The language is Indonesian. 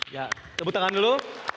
ya tepuk tangan dulu